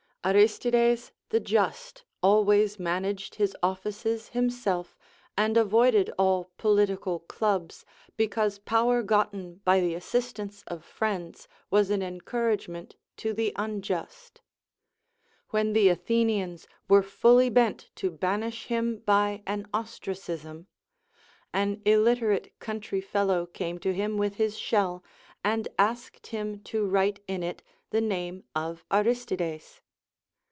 Aristides the Just always managed liis offices himself, and avoided all political clubs, because poAver got ten by the assistance of friends was an encouragement to the unjust. AVhen the Athenians were fully bent to banish him by an ostracism, an illiterate country fellow came to him with his shell, and asked him to write in it the name of Aristides.